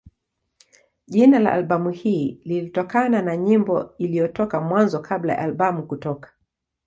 Jina la albamu hii lilitokana na nyimbo iliyotoka Mwanzo kabla ya albamu kutoka.